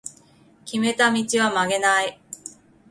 決めた道は曲げない